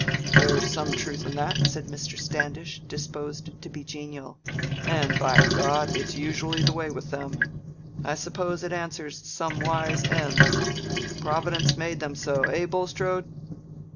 "There's some truth in that," said Mr. Standish, disposed to be genial. "And, by God, it's usually the way with them. I suppose it answers some wise ends: Providence made them so, eh, Bulstrode?"